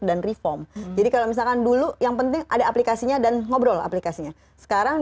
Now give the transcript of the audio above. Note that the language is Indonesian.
dan reform jadi kalau misalkan dulu yang penting ada aplikasinya dan ngobrol aplikasinya sekarang